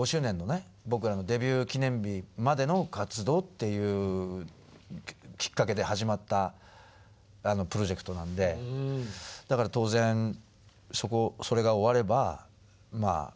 僕らのデビュー記念日までの活動っていうきっかけで始まったプロジェクトなんでだから当然それが終われば幕を閉じるっていう形で。